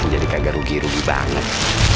jadi kagak rugi rugi banget